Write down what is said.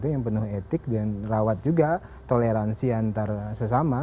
yang penuh etik dan rawat juga toleransi antar sesama